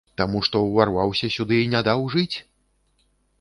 Таму, што ўварваўся сюды і не даў жыць?